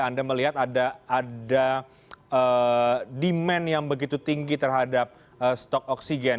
anda melihat ada demand yang begitu tinggi terhadap stok oksigen